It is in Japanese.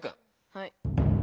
はい。